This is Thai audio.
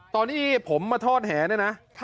ตอนที่ผมมาทอดแหเนี่ยนะ